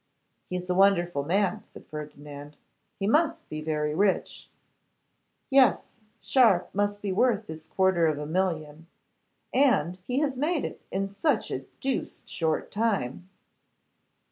'He is a wonderful man,' said Ferdinand. 'He must be very rich.' 'Yes; Sharpe must be worth his quarter of a million. And he has made it in such a deuced short time!